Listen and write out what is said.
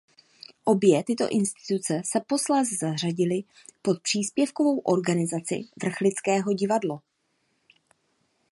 Obě tyto instituce se posléze zařadily pod příspěvkovou organizaci Vrchlického divadlo.